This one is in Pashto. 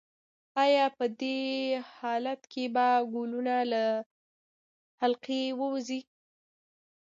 ایا په دې حالت کې به ګلوله له حلقې ووځي؟